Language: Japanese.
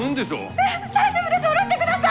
いえ大丈夫です下ろしてください！